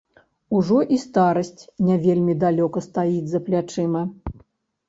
Ужо і старасць не вельмі далёка стаіць за плячыма.